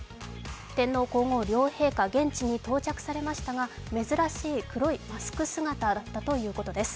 天皇皇后両陛下、現地に到着されましたが、珍しい黒いマスク姿だったということです。